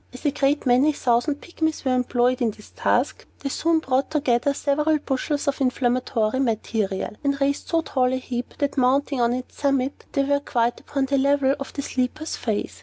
As a great many thousand Pygmies were employed in this task, they soon brought together several bushels of inflammatory matter, and raised so tall a heap, that, mounting on its summit, they were quite upon a level with the sleeper's face.